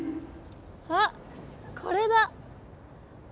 あこれだ！